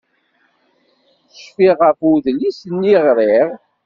Cfiɣ ɣef udlis-nni i ɣṛiɣ.